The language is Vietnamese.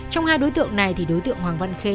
trong hai đối tượng này thì đối tượng hoàng văn khê